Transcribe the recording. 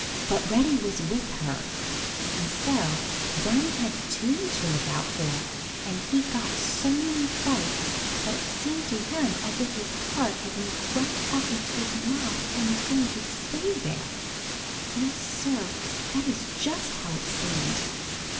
But Reddy was with her, and so Danny had two to look out for, and he got so many frights that it seemed to him as if his heart had moved right up into his mouth and was going to stay there. Yes, Sir, that is just how it seemed.